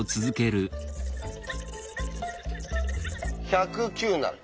１０９になる。